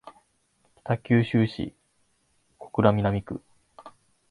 北九州市小倉南区